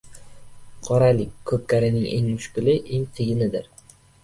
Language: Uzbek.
Qoralik — ko‘pkarining eng mushkuli, eng qiyinidir.